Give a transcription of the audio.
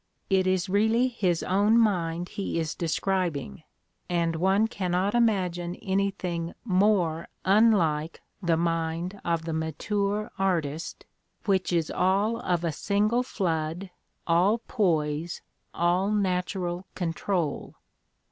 It is really his own mind he is describing, and one cannot imagine anything more unlike the mind of the mature artist, which is all of a single flood, all poise, all natural control.